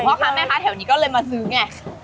ว่าไม่พอแถวนี้ก็เลยมาซื้อไง